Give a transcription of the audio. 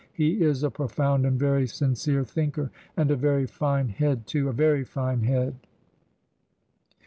He is a profound and very sincere thinker, and a very fine head too — a very fine head."